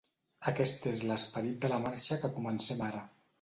Aquest és l’esperit de la marxa que comencem ara.